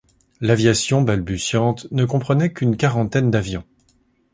L'aviation, balbutiante, ne comprenait qu'une quarantaine d'avions.